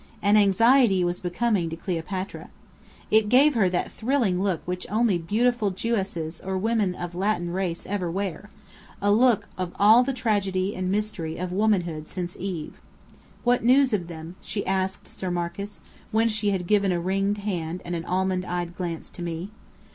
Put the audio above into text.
And anxiety was becoming to Cleopatra. It gave to her that thrilling look which only beautiful Jewesses or women of Latin race ever wear: a look of all the tragedy and mystery of womanhood since Eve. "What news of them?" she asked Sir Marcus, when she had given a ringed hand and an almond eyed glance to me.